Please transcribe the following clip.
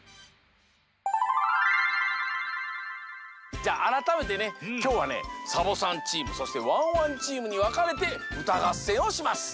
じゃああらためてねきょうはねサボさんチームそしてワンワンチームにわかれてうたがっせんをします。